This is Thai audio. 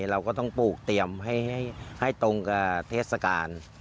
เราก็ต้องปลูกเตรียมให้ตรงกับเทศกาล